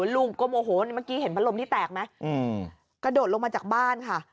ลูกก็โมโหเมื่อกี้เห็นพัดลมที่แตกไหมกระโดดลงมาจากบ้านค่ะ